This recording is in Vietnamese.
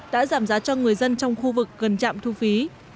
đã giảm giá cho người dân trong khu vực gần trạm thu phí